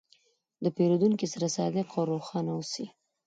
له پیرودونکي سره صادق او روښانه اوسې.